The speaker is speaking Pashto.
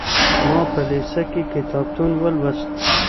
ما په لېسه کي کتابونه لوستل.